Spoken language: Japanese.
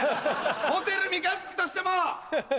ホテル三日月としても。